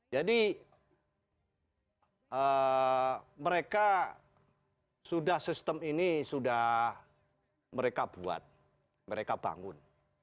jadi mereka sudah sistem ini sudah mereka buat mereka bangun